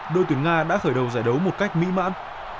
đội tuyển nga đã khởi đầu giải đấu một cách mỹ mãn